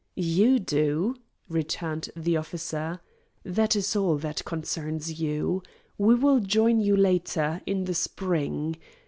"You do," returned the officer. "That is all that concerns you. We will join you later in the spring.